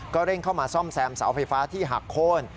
เร่งเข้ามาซ่อมแซมเสาไฟฟ้าที่หักโค้น